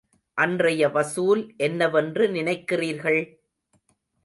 அன்றைய வசூல் என்னவென்று நினைக்கிறீர்கள்?